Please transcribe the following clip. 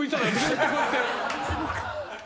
ずっとこうやって。